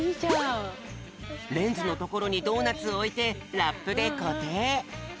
レンズのところにドーナツをおいてラップでこてい。